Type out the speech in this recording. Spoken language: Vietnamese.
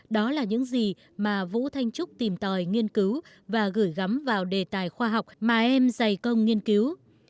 đó là những gì mà vũ thanh trúc tìm tòi nghiên cứu và gửi gắm vào đề tài khoa học mà em dày công nghiên cứu